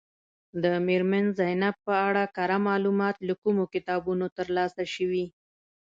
د میرمن زینب په اړه کره معلومات له کومو کتابونو ترلاسه شوي.